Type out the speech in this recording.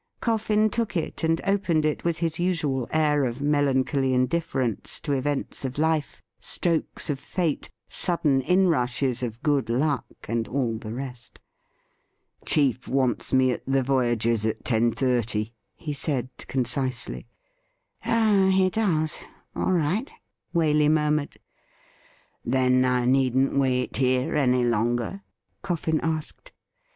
Coffin took it and opened it with his usual air of melan choly indifference to events of life, strokes of fate, sudden inrushes of good luck, and all the rest. ' Chief wants me at the Voyagers' at ten thirty,' he said concisely. ' Oh, he does ; all right,' Waley murmured. ' Then I needn't wait here any longer .?' Coffin asked.